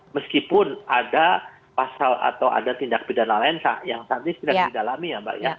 meskipun ada pasal atau ada tindak pidana lain yang saat ini sedang didalami ya mbak ya